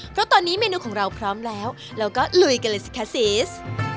เพราะตอนนี้เมนูของเราพร้อมแล้วเราก็ลุยกันเลยสิคะซีส